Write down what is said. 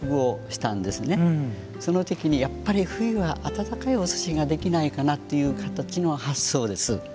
その時にやっぱり冬は温かいお寿司ができないかなという形の発想です。